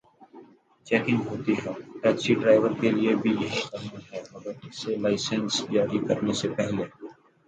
Checking ہوتی ہے۔ Taxi driver کے لیے بھی یہی قانون ہے مگر اسے لائسنس جاری کرنے سے پہل